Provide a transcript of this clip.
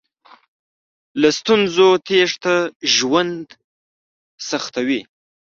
له ستونزو تېښته ژوند سختوي.